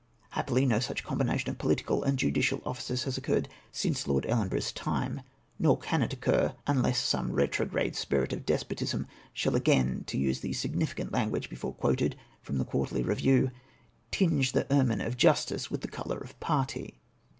Happily, no such combination of political and judicial offices has occurred since Lord Ellenborough's time, nor can it occur, unless some retrograde spirit of despotism sliaU again — to use the significant language before quoted from the Quarterly Review —'■^ tinge the ermine of justice icitlt the colour of imrty.'"